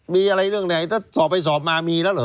มีอะไรเรื่องไหนถ้าสอบไปสอบมามีแล้วเหรอ